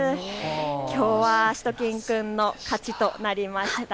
きょうはしゅと犬くんの勝ちとなりました。